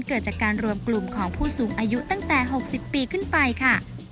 เกิดจากการรวมกลุ่มของผู้สูงอายุตั้งแต่๖๐ปีขึ้นไปค่ะ